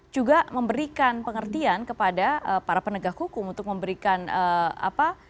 juga memberikan pengertian kepada para penegak hukum untuk memberikan apa